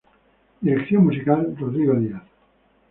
Dirección musical: Rodrigo Díaz